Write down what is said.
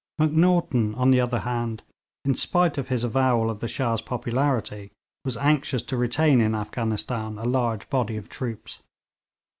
Macnaghten, on the other hand, in spite of his avowal of the Shah's popularity, was anxious to retain in Afghanistan a large body of troops.